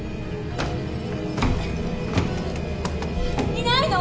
いないの？